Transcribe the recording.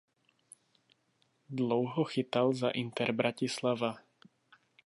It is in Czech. Dlouho chytal za Inter Bratislava.